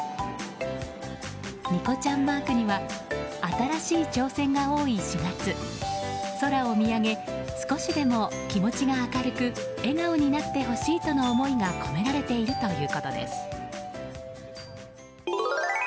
ニコちゃんマークには新しい挑戦が多い４月空を見上げ少しでも気持ちが明るく笑顔になってほしいとの思いが込められているということです。